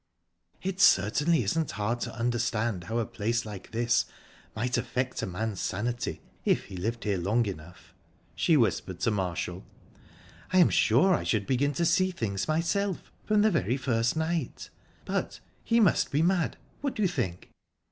"It certainly isn't hard to understand how a place like this might affect a man's sanity, if he lived here long enough," she whispered to Marshall. "I am sure I should begin to see things, myself, from the very first night...But he must be mad what do you think?"